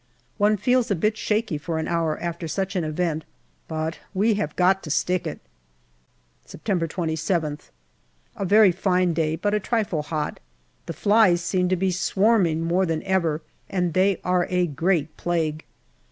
One feels a bit shaky for an hour after such an event, but we have got to stick it. September 27th. A very fine day, but a trifle hot ; the flies seem to be swarming more than ever, and they are a great plague.